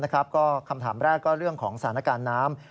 คำถามแรกก็เรื่องของสถานการณ์น้ำ